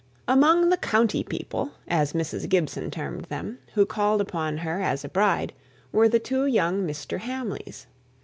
Among the "county people" (as Mrs. Gibson termed them) who called upon her as a bride, were the two young Mr. Hamleys.